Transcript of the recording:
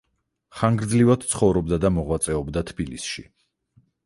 ხანგრძლივად ცხოვრობდა და მოღვაწეობდა თბილისში.